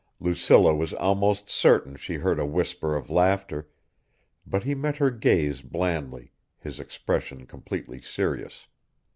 Lucilla was almost certain she heard a whisper of laughter, but he met her gaze blandly, his expression completely serious.